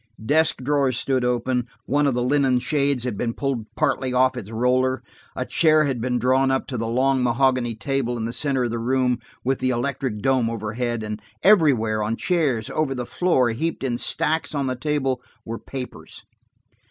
Desk drawers stood open–one of the linen shades had been pulled partly off its roller, a chair had been drawn up to the long mahogany table in the center of the room, with the electric dome overhead, and everywhere, on chairs, over the floor, heaped in stacks on the table, were papers.